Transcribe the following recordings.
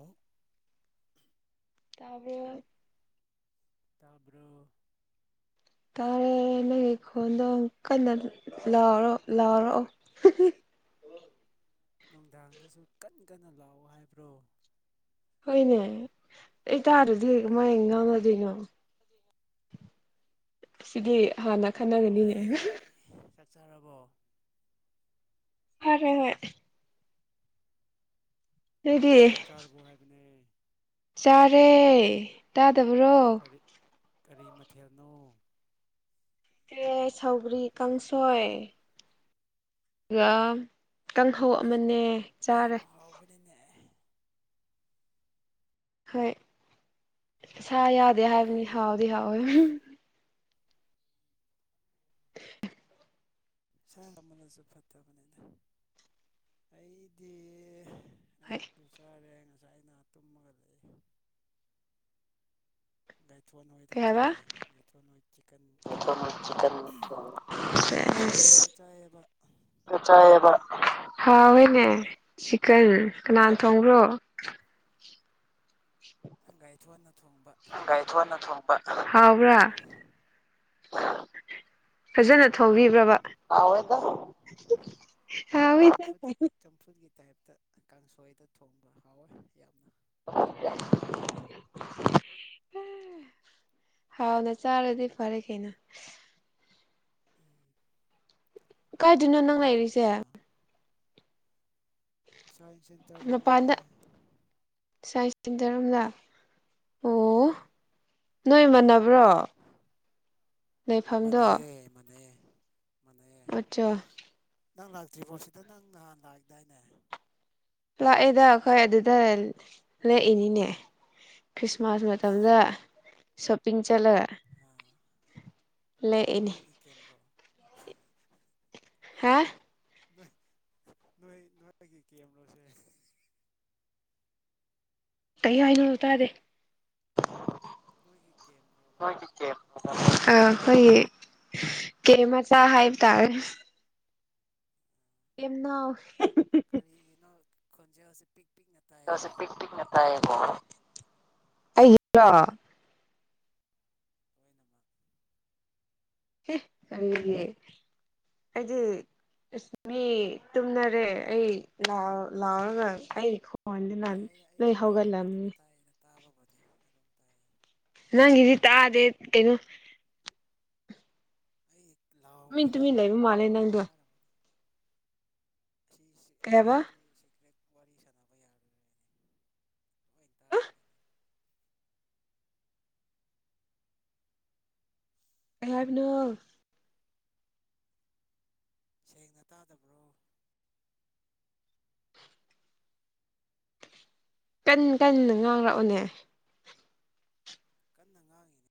ꯑꯦ ꯇꯥꯕ꯭ꯔꯣ ꯇꯥꯕ꯭ꯔꯣ ꯇꯥꯏꯌꯦ ꯅꯪꯒꯤ ꯈꯣꯟꯗꯣ ꯀꯟꯅ ꯂꯥꯎꯔꯣ ꯂꯥꯎꯔꯛꯑꯣ [unintelligible] ꯅꯨꯡꯗꯥꯡꯗꯁꯨ ꯀꯟ ꯀꯟꯅ ꯂꯥꯎ ꯍꯥꯏꯕ꯭ꯔꯣ ꯍꯣꯏꯅꯦ ꯑꯩ ꯇꯥꯗꯔꯗꯤ ꯀꯃꯥꯏ ꯉꯥꯡꯅꯗꯣꯏꯅꯣ ꯁꯤꯗꯤ ꯍꯥꯟꯅ ꯈꯟꯅꯒꯅꯤꯅꯦ ꯑꯩ ꯆꯥꯛ ꯆꯥꯔꯕꯣ ꯐꯔꯦꯅꯦ ꯅꯣꯢꯗꯤ ꯆꯥꯛ ꯆꯥꯔꯕꯣ ꯍꯥꯏꯕꯅꯦ ꯆꯥꯔꯦ ꯇ ꯇꯥꯕ꯭ꯔꯣ ꯀꯔꯤ ꯀꯔꯤ ꯃꯊꯦꯜꯅꯣ ꯀꯩ ꯁꯧꯒꯔꯤ ꯀꯥꯡꯁꯣꯏ ꯑꯗꯨꯒ ꯀꯥꯡꯍꯧ ꯑꯁ ꯑꯃꯅꯦ ꯌꯥꯝ ꯆꯥꯔꯦ ꯍꯥꯎꯕꯅꯤꯅꯦ ꯍꯣꯏ ꯁꯥ ꯌꯥꯎꯗꯦ ꯍꯥꯏꯕꯅꯤ ꯍꯥꯎꯗꯤ ꯍꯥꯎꯋꯦ [inaudible] ꯁꯥ ꯌꯥꯝ ꯆꯥꯃꯜꯂꯁꯨ ꯐꯠꯇꯕꯅꯤꯗ ꯍꯣꯏ ꯑꯌꯨꯛꯇꯨ ꯆꯥꯔꯦ ꯉꯁꯥꯏ ꯑꯩꯅ ꯊꯨꯝꯃꯒ ꯂꯩꯔꯦ ꯊꯣꯟ ꯍꯣꯏꯗ ꯀꯩ ꯍꯥꯏꯕ ꯆꯥꯏꯌꯦ ꯑꯩ ꯊꯣꯟ ꯍꯣꯏ ꯆꯤꯀꯟ ꯊꯣꯡꯉꯦ ꯆꯤꯀꯟ ꯊꯣꯡꯕ ꯒꯥꯏꯊꯣꯟ ꯃꯣꯏꯗ ꯁꯦꯁ ꯆꯥꯏꯌꯦꯕ ꯆꯥꯏꯌꯦꯕ ꯍꯥꯎꯍꯦꯅꯦ ꯃꯣꯏ ꯁꯤꯛꯀꯟ ꯀꯅꯥꯅ ꯊꯣꯡꯕ꯭ꯔꯣ ꯅꯪ ꯒꯥꯏꯊꯣꯟ ꯒꯥꯏꯊꯣꯟꯅ ꯊꯣꯡꯕ ꯍꯥꯎꯕ꯭ꯔꯥ ꯐꯖꯅ ꯍꯥꯎꯋꯦꯗ ꯊꯧꯕꯤꯕ꯭ꯔꯕ ꯍꯥꯏꯌꯦꯗ ꯆꯝꯐꯨꯠ ꯆꯝꯐꯨꯠꯀꯤ ꯇꯥꯏꯞꯇ ꯀꯥꯡꯁꯣꯏꯗ ꯊꯣꯡꯕ ꯍꯥꯎꯋꯦ ꯌꯥꯝꯅ [unintelligible] ꯍꯥꯎꯅ ꯆꯥꯔꯗꯤ ꯐꯔꯦ ꯀꯩꯅꯣ ꯎꯝ ꯀꯥꯏꯗꯅꯣ ꯅꯪ ꯂꯩꯔꯤꯁꯦ ꯀꯩꯗꯧꯔꯝꯃꯤꯅꯣ ꯁꯥꯏꯟꯁ ꯁꯦꯟꯇꯔꯔꯣꯝꯗꯅꯦ ꯃꯄꯥꯟꯗ ꯁꯥꯏꯟꯁ ꯁꯦꯟꯇꯔ ꯔꯣꯝꯔ ꯑꯣ ꯎꯝ ꯅꯣꯏ ꯅꯃꯥꯟꯅꯕ ꯕ꯭ꯔꯣ ꯂꯩꯐꯝꯗꯣ ꯃꯥꯟꯅꯩꯌꯦ ꯃꯥꯟꯅꯩꯌꯦ ꯃꯥꯟꯅꯩꯌꯦ ꯑꯆꯥ ꯅꯪ ꯂꯥꯛꯇ꯭ꯔꯤꯕꯣ ꯁꯤꯗ ꯅꯪ ꯅꯍꯥꯟ ꯂꯥꯛꯑꯦꯗꯥꯏꯅꯦ ꯂꯥꯛꯑꯦꯗ ꯑꯩꯈꯣꯏ ꯑꯗꯨꯗ ꯂꯦꯛꯏꯅꯤꯅꯦ ꯈ꯭ꯔꯤꯁꯃꯥꯁ ꯃꯇꯝꯗ ꯁꯣꯞꯄꯤꯡ ꯆꯠꯂ ꯑꯥ ꯅꯣꯏꯒꯤ ꯀꯦꯝꯔ ꯍꯥꯥ ꯅꯣ ꯅꯣꯏ ꯅꯣꯏꯒꯤ ꯀꯦꯝꯂꯣꯁꯦ ꯀꯩ ꯍꯥꯏꯗꯣꯅꯣ ꯇꯥꯗꯦ ꯅꯣꯏꯒꯤ ꯀꯦꯝꯔꯣꯕ ꯑꯥ ꯑꯩꯈꯣꯏꯒꯤ ꯀꯦꯝ ꯃꯆꯥ ꯍꯥꯏꯕ ꯇꯥꯔꯦ ꯀꯦꯝꯅꯥꯎ ꯀꯔꯤꯒꯤꯅꯣ ꯈꯣꯟꯖꯦꯜꯁꯤ ꯄꯤꯛ ꯄꯤꯛꯅ ꯄꯁꯦ ꯇꯥꯏꯌꯦꯀꯣ ꯄꯤꯛ ꯄꯤꯛꯅ ꯇꯥꯏꯌꯦꯀꯣ ꯑꯩꯒꯤꯗꯨꯔꯣ ꯂꯣꯏꯅꯃꯛ ꯍꯦ ꯀꯔꯤꯒꯤ ꯑꯩꯗꯤ ꯑꯁ ꯃꯤ ꯇꯨꯝꯅꯔꯦ ꯑꯩ ꯂ ꯂꯥꯎꯔꯒ ꯑꯩ ꯈꯣꯟꯖꯦ ꯅ ꯌꯥꯏꯗ ꯂꯣꯏ ꯑꯩꯗꯤ ꯇꯥꯕ ꯑꯗꯨꯝ ꯍꯧꯒꯠꯂꯝꯅꯤ ꯇꯥꯏꯌꯦꯗ ꯇꯥꯕꯕꯨꯗꯤ ꯑꯗꯨꯝ ꯇꯥꯏꯌꯦ ꯅꯪ ꯒꯤꯗꯤ ꯇꯥꯗꯦ ꯀꯩꯅꯣ ꯑꯩ ꯇꯨꯃꯤꯟ ꯇꯨꯃꯤꯟ ꯂꯩꯕ ꯃꯥꯂꯦ ꯅꯪꯗꯣ ꯆꯤ ꯀꯩꯍꯕ ꯋꯥꯔꯤ ꯁꯥꯟꯅꯕ ꯌꯥꯔ ꯀꯩ ꯍꯥꯏꯕꯅꯣ ꯁꯦꯡꯅ ꯇꯥꯗꯕ꯭ꯔꯣ ꯀꯟ ꯀꯟꯅ ꯉꯥꯡꯔꯛꯑꯣꯅꯦ ꯀꯟꯅ ꯉꯥꯡꯉꯤꯅꯦ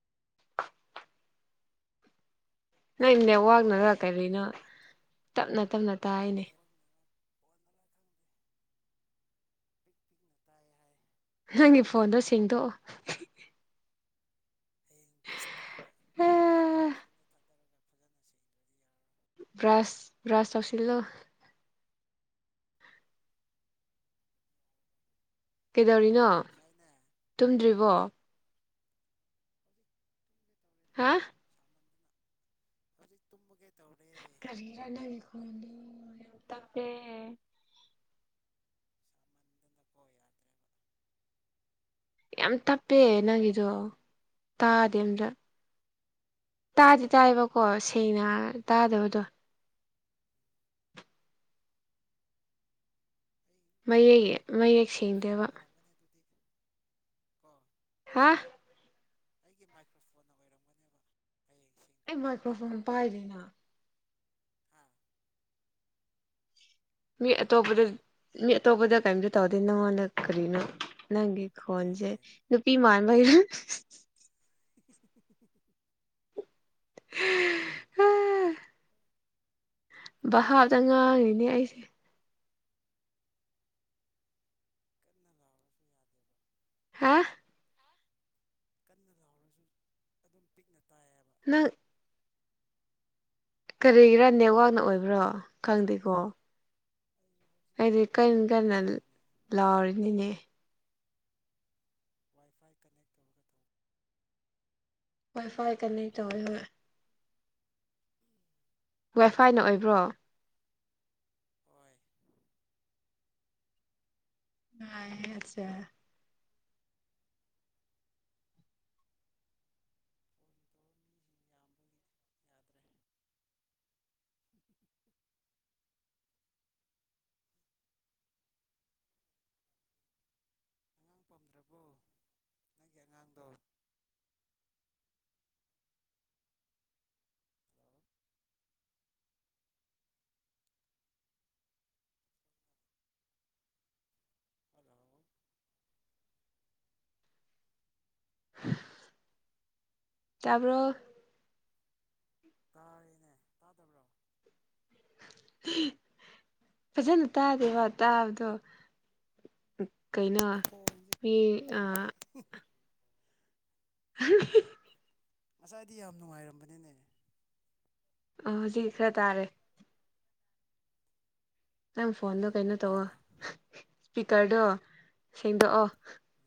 ꯅꯣꯢ ꯀꯩꯅꯣ ꯌꯥꯝ ꯅꯦꯋꯥꯛꯅꯔ ꯀꯔꯤꯅꯣ ꯀꯟꯅ ꯇꯞꯅ ꯇꯞꯅ ꯇꯥꯏꯅꯦ [unintelligible] ꯅꯪꯒꯤ ꯐꯣꯟꯗꯣ ꯁꯦꯡꯗꯣꯛꯑꯣ ꯍꯌꯦꯡ ꯕꯁ ꯇꯔꯒ ꯐꯖꯅ ꯁꯦꯡꯗ꯭ꯔꯗꯤ ꯌꯥꯔꯔꯣꯏ ꯈꯔꯥꯥꯁ ꯈꯔꯥꯥꯁ ꯆꯪꯁꯤꯂꯣ ꯀꯩꯗꯧꯔꯤꯅꯣ ꯉꯁꯥꯏꯅꯦ ꯑꯥ ꯇꯨꯝꯗ꯭ꯔꯤꯕꯣ ꯍꯧꯖꯤꯛ ꯇꯨꯝꯒꯦ ꯍꯥ ꯑꯩꯁꯨ ꯇꯨꯃꯒꯦ ꯇꯧ ꯀꯔꯤꯔ ꯅꯪ ꯈꯣꯟꯗꯨ ꯌꯥꯝ ꯇꯞꯄꯦ ꯁꯥꯃꯟꯗꯅꯀꯣ ꯌꯥꯗ꯭ꯔꯦꯕ ꯌꯥꯝ ꯇꯞꯄꯦ ꯅꯪꯒꯤꯗꯣ ꯇꯥꯗꯦ ꯑꯝꯇ ꯇꯥꯗꯤ ꯇꯥꯏꯌꯦꯕꯀꯣ ꯁꯦꯡꯅ ꯇꯥꯗꯕꯗꯣ ꯑꯩ ꯃꯌꯦꯛ ꯃꯌꯦꯛ ꯁꯦꯡꯗꯦꯕ ꯏꯁꯄꯤꯀꯔꯅ ꯑꯣꯏꯔꯝꯒꯅꯤ ꯃꯥꯏꯀ꯭ꯔꯣꯐꯣꯟꯅ ꯑꯣꯏꯔꯝꯒꯅꯤ ꯑꯗꯨꯗꯤ ꯀꯣ ꯍꯥꯥ ꯑꯩꯒꯤ ꯃꯥꯏꯀ꯭ꯔꯣꯐꯣꯟ ꯑꯣꯏꯔꯝꯒꯅꯦꯕ ꯍꯌꯦꯡ ꯑꯩ ꯁꯦꯡꯗꯣꯛꯑꯒꯦ ꯃꯥꯏꯀ꯭ꯔꯣꯐꯣꯟ ꯄꯥꯏꯔꯤꯅ ꯍꯥ ꯃꯤ ꯑꯇꯣꯞꯄꯗ ꯃꯤ ꯑꯇꯣꯞꯄꯗ ꯀꯔꯤꯝꯇ ꯇꯧꯗꯦ ꯅꯪꯉꯣꯟꯗ ꯀꯔꯤꯅꯣ ꯅꯪꯒꯤ ꯍꯣꯏ ꯈꯣꯟ ꯑꯗꯨꯃꯥꯏꯅ ꯁꯦ ꯍꯥꯏꯌꯦ ꯅꯨꯄꯤꯃꯥꯟꯕꯒꯤ ꯀꯟꯅ ꯚꯥꯞꯇ ꯂꯥꯎꯔꯁꯨꯀꯣ ꯉꯥꯡꯉꯤꯅꯦ ꯑꯩꯁꯦ ꯀꯟꯅ ꯂꯥꯎꯔꯁꯨ ꯌꯥꯗꯦꯕ ꯍꯥ ꯀꯟꯅ ꯂꯥꯎꯔꯁꯨ ꯑꯗꯨꯝ ꯄꯤꯛꯅ ꯇꯥꯏ ꯅꯪ ꯀꯔꯤꯒꯤꯔꯥ ꯅꯦꯠꯋꯥꯛꯅ ꯑꯣꯏꯕ꯭ꯔꯣ ꯈꯪꯗꯦꯀꯣ ꯑꯩ ꯑꯩꯗꯤ ꯀꯟ ꯍꯧꯖꯤꯛꯁꯦ ꯋꯥꯏ ꯐꯥꯏ ꯀꯅꯦꯛ ꯀꯟꯅ ꯇꯧꯔꯤꯅꯦ ꯂꯥꯎꯔꯤꯅꯤꯅꯦ ꯋꯥꯏꯐꯥꯏ ꯀꯟꯅꯦꯛ ꯇꯧꯔꯒ ꯇꯧ ꯋꯥꯏ ꯐꯥꯏ ꯀꯅꯦꯛ ꯇꯧꯋꯦ ꯍꯣꯢ ꯋꯥꯏꯐꯥꯏꯅ ꯑꯣꯏꯕ꯭ꯔꯣ ꯍꯣꯏ ꯅꯥꯏ ꯍꯦꯠꯁꯦ ꯐꯣꯟ ꯇꯧꯔ ꯃꯤꯁꯤꯡ ꯌꯥꯝꯕꯒꯤ ꯌꯥꯗ꯭ꯔꯦ ꯑꯉꯥꯡ ꯄꯝꯗ꯭ꯔꯕꯣ ꯅꯪꯒꯤ ꯑꯉꯥꯡꯗꯣ ꯍꯜꯂꯣ ꯍꯜꯂꯣ [inaudible] ꯇꯥꯕ꯭ꯔꯣ ꯇꯥꯔꯤꯅꯦ ꯇꯥꯗꯕ꯭ꯔꯣ ꯐꯖꯅ ꯇꯥꯗꯦꯕ ꯇꯥꯕꯗꯣ ꯀꯩꯅꯣ ꯐꯣꯟꯁꯦ ꯃꯤ [unintelligible] ꯉꯁꯥꯏꯗꯤ ꯌꯥꯝ ꯅꯨꯡꯉꯥꯏꯔꯝꯕꯅꯤꯅꯦ ꯑ ꯍꯧꯖꯤꯛ ꯈꯔ ꯇꯥꯔꯦ ꯅꯪ ꯐꯣꯟꯗꯣ ꯀꯔꯤꯒꯤ ꯑꯣꯏꯕ ꯀꯩꯅꯣ ꯇꯧ ꯖꯥꯠꯂꯥ ꯏꯁꯄꯤꯀꯔꯗꯣ ꯁꯦꯡꯗꯣꯛꯑꯣ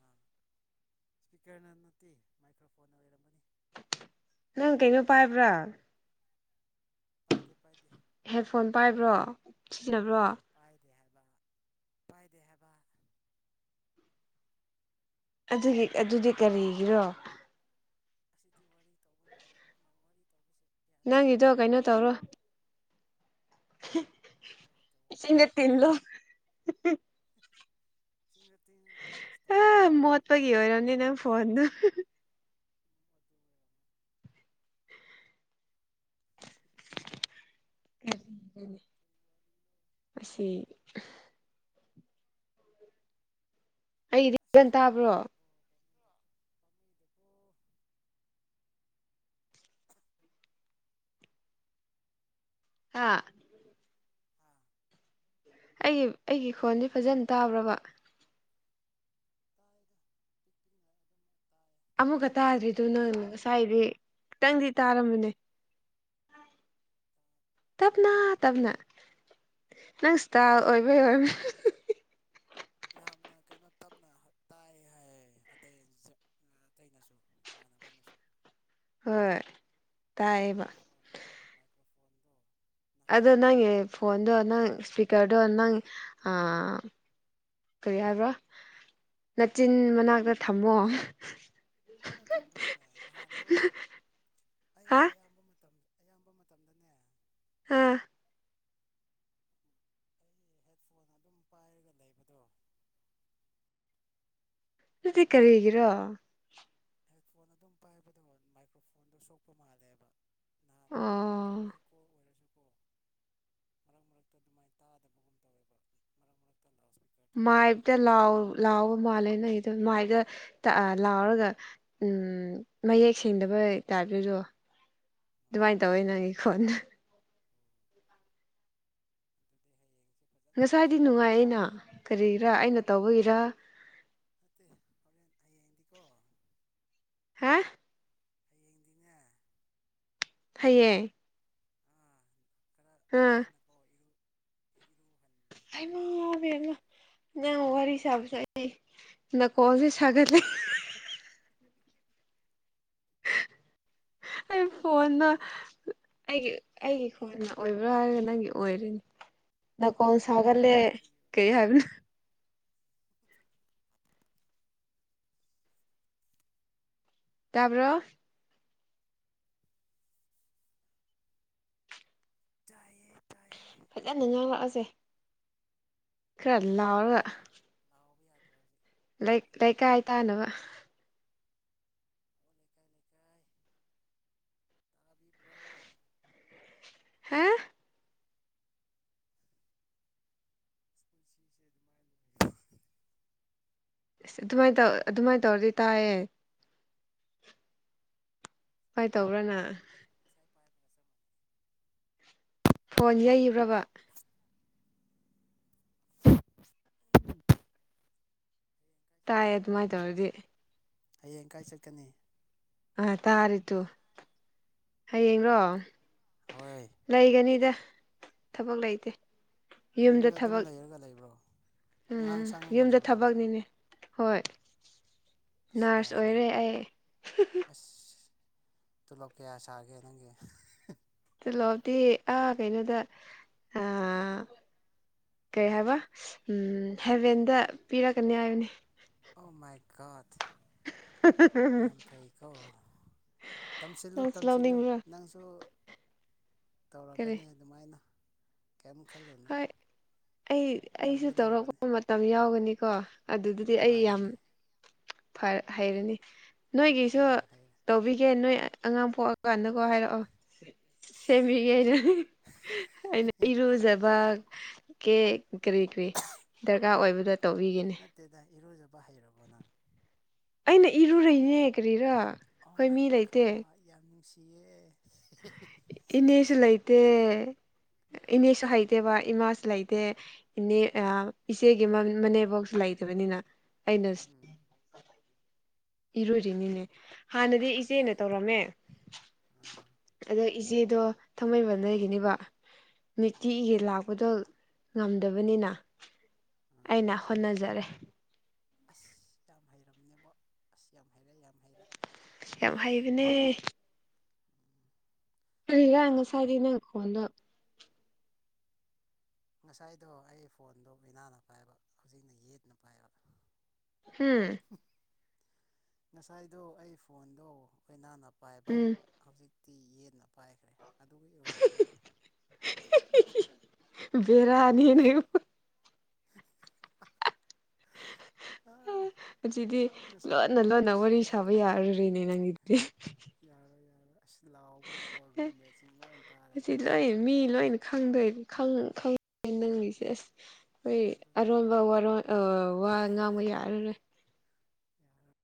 ꯑꯥ ꯏꯁꯄꯤꯀꯔꯅ ꯅꯠꯇꯦ ꯃꯥꯏꯀ꯭ꯔꯣꯐꯣꯟꯅ ꯑꯣꯏꯔꯝꯃꯅꯤ ꯅꯪ ꯀꯩꯅꯣ ꯄꯥꯏꯕ꯭ꯔꯥ ꯄꯥꯏꯗꯦ ꯄꯥꯏꯗꯦ ꯍꯦꯠ ꯐꯣꯟ ꯄꯥꯏꯕ꯭ꯔꯣ ꯁꯤꯖꯤꯟꯅꯕ꯭ꯔꯣ ꯄꯥꯏꯗꯦ ꯍꯥꯏꯕ ꯄꯥꯏꯗꯦ ꯍꯥꯏꯕ ꯑꯗꯨꯒꯤ ꯑꯗꯨꯗꯤ ꯁꯤꯗꯤ ꯋꯥꯔꯤ ꯀꯔꯤꯒꯤꯔꯣ ꯑꯁꯤꯗꯤ ꯋꯥꯔꯤ ꯇꯧꯕ ꯅꯨꯡꯉꯥꯏ ꯑꯗꯨ ꯋꯥꯔꯤ ꯇꯧꯕꯁꯦ ꯅꯪꯒꯤꯗꯣ ꯌꯥꯗꯦꯗ ꯀꯩꯅꯣ ꯀꯗꯥꯏꯗꯒꯤ ꯇꯧꯔꯣ ꯀꯔꯤ ꯇꯧꯕ ꯁꯤꯡꯗ ꯇꯤꯟꯂꯣ ꯏꯁꯤꯡꯒ ꯇꯤꯡꯉꯒ ꯕ꯭ꯔꯁ ꯑ ꯇꯧ ꯕ꯭ꯔꯁ ꯐꯖꯅ ꯃꯣꯄꯒꯤ ꯇꯧꯊꯣꯛꯀꯦ ꯑꯗꯨ ꯑꯣꯏꯔꯝꯅꯤ ꯑꯣꯏꯔꯝꯃꯅꯤ ꯅꯪ ꯐꯣꯟꯗꯨ ꯀꯔꯤ ꯋꯥꯔꯤꯅꯣ [unintelligible] ꯑꯁꯤ ꯑꯩꯒꯤꯗꯤ ꯑꯁ ꯐꯖꯅ ꯄꯥꯝꯃꯨꯏꯗꯀꯣ ꯇꯥꯕ꯭ꯔꯣ [inaudible] ꯑꯥ ꯍꯥ ꯑꯩꯒꯤ ꯑꯩꯒꯤ ꯈꯣꯟꯗꯤ ꯐꯖꯅ ꯇꯥꯕ꯭ꯔꯕ [inaudible] ꯑꯃꯨꯛꯀ ꯇꯥꯗ꯭ꯔꯤꯗꯨ ꯇꯥꯕ ꯅꯪ ꯉꯁꯥꯏꯗꯤ ꯈꯤꯇꯪꯗꯤ ꯇꯥꯔꯝꯕꯅꯦ ꯇꯥ- ꯇꯞꯅ ꯇꯞꯅ ꯇꯥꯕꯕꯨꯗꯤ ꯅꯪ ꯇꯥꯏ ꯁ꯭ꯇꯥꯏꯜ ꯍꯣꯏ ꯑꯣꯏꯕꯩ ꯑꯗꯨꯝ ꯑꯣꯏꯕ ꯌꯥꯝꯅ ꯀꯩꯅꯣ ꯇꯞꯅ ꯇꯥꯏ ꯍꯥꯏ ꯑꯇꯩ ꯑꯇꯩꯅꯁꯨ ꯏꯃꯥꯟꯅꯕꯅꯁꯨ ꯍꯣꯏ ꯑꯩ ꯇꯥꯏꯌꯦꯕ ꯐꯣꯟꯗꯣ ꯃꯥꯏꯀ꯭ꯔꯣꯐꯣꯟꯗꯣ ꯑꯗꯨ ꯅꯍꯥꯟ ꯅꯪꯒꯤ ꯐꯣꯟꯗꯣ ꯅꯪ ꯏꯁꯄꯤꯀꯔꯗꯣ ꯅꯪ ꯑ ꯀꯔꯤ ꯍꯥꯏꯕ꯭ꯔ ꯅꯆꯤꯟ ꯃꯅꯥꯛꯇ ꯊꯝꯃꯣ ꯑꯗꯨꯅ ꯊꯝꯕꯅꯦ ꯅꯍꯥꯟ ꯀꯣ ꯑꯩ ꯍꯥ ꯑꯌꯥꯝꯕ ꯃꯇꯝꯗ ꯑꯌꯥꯝꯕ ꯃꯇꯝꯗꯅꯦ ꯑꯥ ꯍꯦꯠꯐꯣꯟ ꯑꯗꯨꯝ ꯄꯥꯏꯔꯒ ꯂꯩꯕꯗꯣ ꯑꯗꯨꯗꯤ ꯀꯔꯤꯒꯤꯔꯣ ꯍꯦꯠꯐꯣꯟ ꯑꯗꯨꯝ ꯄꯥꯏꯕꯗꯣ ꯃꯥꯏꯀ꯭ꯔꯣꯐꯣꯟꯗꯣ ꯁꯣꯛꯄ ꯃꯥꯜꯂꯦꯕ ꯅꯍꯥꯟ ꯑꯣ ꯅꯣꯔꯃꯦꯜ ꯀꯣꯜ ꯑꯣꯏꯔꯁꯨ ꯃꯔꯛ ꯃꯔꯛꯇ ꯑꯗꯨꯃꯥꯏꯅ ꯇꯥꯗꯕꯒꯨꯝ ꯇꯧꯋꯦꯕ ꯃꯔꯛ ꯃꯔꯛ ꯃꯥꯞꯇ ꯂꯥꯎ ꯑꯣ ꯑꯣ ꯂꯥꯎꯕ ꯃꯥꯜꯂꯦ ꯅꯪꯒꯤꯗꯣ ꯃꯥꯞꯗ ꯂꯥꯎꯔꯒ ꯎꯝ ꯃꯌꯦꯛ ꯁꯦꯡꯗꯕꯩ ꯇꯥꯞꯇꯁꯨ ꯑꯗꯨꯗꯤ ꯑꯗꯨꯃꯥꯏꯅ ꯍꯌꯦꯡꯁꯦ ꯇꯧꯋꯤ ꯅꯪ ꯈꯣꯟꯗꯣ ꯐꯖꯅ ꯉꯁꯥꯏꯗꯤ ꯅꯨꯡꯉꯥꯏꯌꯦꯅ ꯀꯔꯤꯒꯤꯔꯥ ꯑꯩꯅ ꯇꯧꯕꯒꯤꯔ ꯅꯠꯇꯦ ꯍꯣꯔꯦꯟ ꯍꯌꯦꯡꯗꯤꯀꯣ ꯍꯥ ꯍꯌꯦꯡꯗꯤꯅꯦ ꯍꯌꯦꯡ ꯑꯥ ꯈꯔ ꯑꯥ ꯅꯥꯟꯅꯀꯣ ꯏꯔꯨ ꯏꯔꯨꯍꯟꯕꯤꯔꯒꯦ ꯑꯁꯤ [unintelligible] ꯅꯪ ꯋꯥꯔꯤ ꯁꯥꯕꯁꯦ ꯑꯩ ꯅꯥꯀꯣꯜꯁꯦ ꯁꯥꯒꯠꯂꯦ ꯍ ꯑꯩ ꯐꯣꯟꯁꯦꯀꯣ ꯐꯣꯟꯅ ꯑꯩꯒꯤ ꯑꯩꯒꯤ ꯈꯣꯟꯅ ꯑꯣꯏꯕ꯭ꯔꯥ ꯍꯥꯏꯔꯒ ꯅꯪꯒꯤ ꯑꯣꯏꯔꯤꯅꯤ ꯅꯥꯀꯣꯟ ꯑꯩꯒꯤ ꯑꯣꯏꯕ ꯁꯥꯒꯠꯂꯦ ꯃꯥꯜꯂꯦ ꯑꯩꯒꯤ ꯑꯣꯏꯕ ꯃꯥꯜꯂꯦ ꯀꯩ ꯍꯥꯏꯕꯅꯣ ꯇꯥꯕ꯭ꯔꯣ ꯇꯥꯏꯌꯦ ꯇꯥꯏꯌꯦ ꯐꯖꯅ ꯉꯥꯡꯂꯛꯑꯣꯁꯦ ꯈꯔ ꯍꯧꯖꯤꯛ ꯉꯥꯡꯕ ꯌꯥꯗꯦ ꯂꯥꯎꯔꯒ ꯂꯥꯎꯕ ꯌꯥꯗ꯭ꯔꯦ ꯍꯧꯖꯤꯛ ꯂꯩ ꯃꯤ ꯂꯩꯀꯥꯏ ꯇꯨꯝꯅꯈ꯭ꯔꯦ ꯇꯥꯅꯕ ꯂꯩꯀꯥꯏ ꯂꯩꯀꯥꯏ ꯇꯥꯕꯤꯕ꯭ꯔꯣ ꯍꯥ [inaudible] ꯑꯁ ꯑꯗꯨꯃꯥꯏ ꯇꯧ ꯑꯗꯨꯃꯥꯏ ꯇꯧꯔꯗꯤ ꯇꯥꯏꯌꯦ ꯀꯥꯏ ꯇꯧꯕ꯭ꯔꯥꯅ ꯉꯁꯥꯏ ꯉꯁꯥꯏ ꯄꯥꯏꯕꯒ ꯆꯞ ꯐꯣꯟ ꯌꯩꯕ꯭ꯔꯕ [inaudible] ꯃꯥꯟꯅꯩ ꯇꯥꯏ ꯑꯗꯨꯃꯥꯏ ꯇꯧꯔꯗꯤ ꯍꯌꯦꯡ ꯀꯥꯏ ꯆꯠꯀꯅꯤ ꯑꯥ ꯇꯥꯔꯦꯇꯨ ꯍꯌꯦꯡꯔꯣ ꯍꯣꯏ ꯂꯩꯒꯅꯤꯗ ꯊꯕꯛ ꯂꯩꯇꯦ ꯌꯨꯝꯗ ꯑꯗꯨꯝ ꯂꯩꯔꯒ ꯂꯩꯕ꯭ꯔꯣ ꯎꯝ ꯑꯉꯥꯡ ꯎꯝ ꯁꯪꯉꯒ ꯌꯨꯝꯗ ꯂꯩꯕ꯭ꯔꯣꯕ ꯊꯕꯛꯅꯤꯅꯦ ꯍꯣꯏ ꯑꯁ ꯅꯔꯁ ꯌꯥꯏꯅꯦ ꯑꯣꯏꯔꯦ ꯑꯩ [unintelligible] ꯑꯁ ꯇꯣꯂꯣꯞ ꯀꯌꯥ ꯁꯥꯒꯦ ꯅꯪꯒꯤ ꯇꯤꯂꯣꯞꯇꯤ ꯑꯥ ꯀꯩꯅꯣꯗ ꯑꯥ ꯀꯩ ꯍꯥꯏꯕ ꯎꯝ ꯍꯦꯚꯦꯟꯗ ꯄꯤꯔꯛꯀꯅꯤ ꯍꯥꯏꯕꯅꯤ ꯑꯣ ꯃꯥꯏ ꯒꯣꯠ ꯌꯥꯝ ꯐꯩꯀꯣ [unintelligible] ꯇꯝꯁꯤꯜꯂꯨ ꯅꯪꯁꯨ ꯇꯝꯁꯤꯜꯂꯨ ꯂꯧꯅꯤꯡꯕ꯭ꯔꯥ ꯅꯪꯁꯨ ꯀꯔꯤ ꯇꯧꯔꯛꯀꯅꯤ ꯑꯗꯨꯃꯥꯏꯅ ꯀꯩꯝ ꯈꯜꯂꯨꯅꯨ ꯍꯣꯏ ꯑꯩ ꯑꯩꯁꯨ ꯇꯝꯒꯗꯧꯕꯅꯤ ꯇꯧꯔꯛꯄ ꯃꯇꯝ ꯌꯥꯎꯒꯅꯤꯀꯣ ꯑꯗꯨꯗꯨꯗꯤ ꯑꯩ ꯌꯥꯝ ꯃꯥꯅꯤꯅꯦ ꯐ ꯍꯩꯔꯅꯤ ꯅꯣꯏꯒꯤꯁꯨ ꯑꯥ ꯍꯩ ꯇꯧꯕꯤꯒꯦ ꯅꯣꯏ ꯑꯉꯥꯡ ꯄꯣꯛꯑꯀꯥꯟꯗꯀꯣ ꯍꯥꯏꯔꯛꯑꯣ ꯑꯁ ꯁꯦꯝꯕꯤꯒꯦ ꯑꯩꯅ ꯍꯩ ꯑꯩꯅ ꯏꯔꯨꯖꯕ ꯀꯦ ꯀꯔꯤ ꯀꯔꯤ ꯗ꯭ꯔꯀꯥꯔ ꯑꯣꯏꯕꯗꯣ ꯅꯠꯇꯦꯗ ꯏꯔꯨꯖꯕ ꯍꯩꯔꯕꯣ ꯅꯪ ꯑꯩꯅ ꯏꯔꯨꯔꯩꯅꯦ ꯀꯔꯤꯔꯥ ꯈꯣꯏ ꯃꯤ ꯂꯩꯇꯦ ꯏꯌꯦ ꯏꯅꯦꯁꯨ ꯂꯩꯇꯦ ꯏꯅꯦꯁꯨ ꯍꯩꯇꯦꯕ ꯏꯃꯥꯁꯨ ꯂꯩꯇꯦ ꯏꯅꯦ ꯎꯝ ꯑꯥ ꯏꯆꯦꯒꯤꯃꯝ ꯃꯅꯦꯕꯧꯁꯨ ꯂꯩꯇꯕꯅꯤꯅ ꯑꯩꯅ ꯎꯝ ꯏꯔꯣꯏꯔꯤꯅꯤꯅꯦ ꯍꯥꯟꯅꯗꯤ ꯏꯆꯦꯅ ꯑꯁ ꯇꯧꯔꯝꯃꯦ ꯑꯥ ꯑꯗꯣ ꯏꯆꯦꯗꯣ ꯊꯥꯡꯃꯩꯕꯟꯗ ꯂꯩꯒꯤꯅꯦꯕ ꯑꯥ ꯅꯨꯇꯤꯒꯤ ꯂꯥꯛꯄꯗꯣ ꯉꯝꯗꯕꯅꯤꯅ ꯑꯥ ꯑꯩꯅ ꯍꯣꯠꯅꯖꯔꯦ ꯑꯁ ꯌꯥꯝ ꯍꯩꯔꯝꯅꯦꯕꯣ ꯑꯁ ꯌꯥꯝ ꯍꯩꯔꯦ ꯌꯥꯝ ꯍꯩꯔꯦ ꯌꯥꯝ ꯍꯩꯕꯅꯦ ꯀꯔꯤꯌꯥꯏ ꯉꯁꯥꯢꯗꯩ ꯅꯪ ꯈꯣꯟꯗꯣ ꯉꯁꯥꯏꯗꯣ ꯑꯩꯒꯤ ꯐꯣꯟꯗꯣ ꯑꯣꯢꯅꯥꯅ ꯄꯥꯏꯕ ꯍꯧꯖꯤꯛꯅ ꯌꯦꯠꯅ ꯄꯥꯏꯕ ꯍꯨꯝ ꯉꯁꯥꯏꯗꯣ ꯑꯩ ꯐꯣꯟꯗꯣ ꯑꯣꯏꯅꯥꯅ ꯄꯥꯏꯕ ꯎꯝ ꯍꯧꯖꯤꯛ ꯇꯤ ꯌꯦꯠꯅ ꯄꯥꯏꯈ꯭ꯔꯦ ꯑꯗꯨꯒꯤ ꯑꯣꯏꯔꯝꯒꯅꯤ ꯍꯤ ꯍꯤ ꯍꯤ ꯍꯤ ꯕꯦꯔꯥꯅꯤꯅꯦ [unintelligible] ꯑꯥ ꯍꯧꯖꯤꯗꯤ ꯂꯣꯟꯅ ꯉꯁꯥꯏꯀꯣ ꯂꯣꯟꯅ ꯑꯁ ꯋꯥꯔꯤ ꯌꯥꯝ ꯁꯥꯕ ꯌꯥꯔꯨꯔꯤꯅꯦ ꯅꯪꯒꯤꯗꯨꯗꯤ ꯌꯥꯔꯣꯏ ꯌꯥꯔꯣꯏ ꯑꯁ ꯂꯥꯎꯕꯅꯀꯣ ꯑꯦ ꯔꯨꯝꯃꯦꯠꯁꯤꯡ ꯂꯣꯏ ꯇꯥꯔꯅꯤ ꯍꯧꯖꯤꯛ ꯑꯁ ꯂꯣꯏ ꯃꯤ ꯌꯥꯔꯣꯏ ꯂꯣꯏꯅ ꯁꯤꯗꯤ ꯈꯪꯗꯣꯏꯅꯤ ꯈꯪ ꯈꯪ ꯑꯩ ꯅꯪꯒꯤꯁꯦ ꯑꯁ ꯈꯣꯏ ꯑꯗꯨꯅꯦ ꯑꯔꯣꯟꯕ ꯋꯥꯔꯣꯟ ꯋꯥ ꯉꯥꯡꯕ ꯌꯥꯔꯔꯣꯏ ꯌꯥꯔꯣꯏ